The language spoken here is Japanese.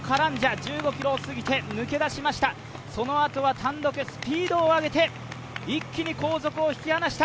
１５ｋｍを過ぎて抜け出しました、そのあとは単独、スピードを上げて一気に後続を引き離した。